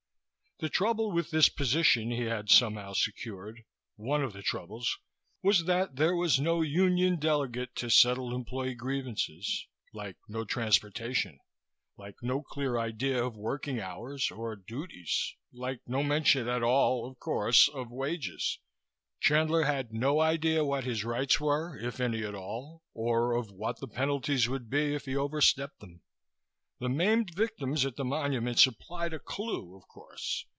The trouble with this position he had somehow secured one of the troubles was that there was no union delegate to settle employee grievances. Like no transportation. Like no clear idea of working hours, or duties. Like no mention at all of course of wages. Chandler had no idea what his rights were, if any at all, or of what the penalties would be if he overstepped them. The maimed victims at the Monument supplied a clue, of course.